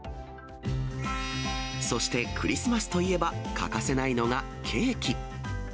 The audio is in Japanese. そしてクリスマスといえば、欠かせないのがケーキ。